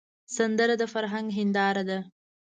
سندره د فرهنګ هنداره ده